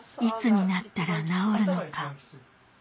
「いつになったら治るのか」